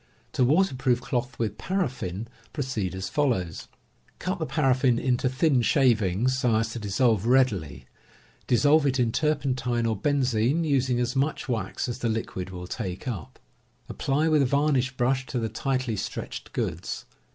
To waterproof cloth with paraffin, proceed as follows : Cut the paraflBn into thin shavings, so as to dissolve readily. Dissolve it in turpentine or benzin, using as much wax as the liquid will take up. Apply with a varnish brush to the tightly stretched goods.